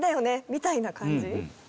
みたいな感じ？